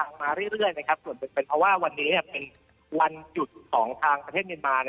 ส่วนผู้รู้บัญชีว่าวันนี้เป็นวันหยุดของประเทศเมียนมา